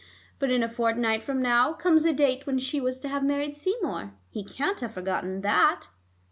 But in a fortnight from now comes the date when she was to have married Seymour. He can't have forgotten that."